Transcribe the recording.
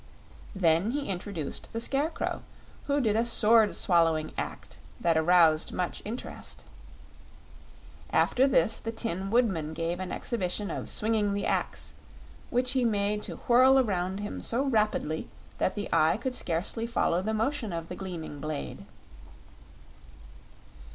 Then he introduced the Scarecrow, who did a sword swallowing act that aroused much interest. After this the Tin Woodman gave an exhibition of Swinging the Axe, which he made to whirl around him so rapidly that the eye could scarcely follow the motion of the gleaming blade.